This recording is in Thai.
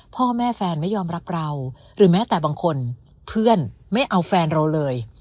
พ่อแม่แฟนไม่ยอมรับเราหรือแม้แต่บางคนเพื่อนไม่เอาแฟนเราเลย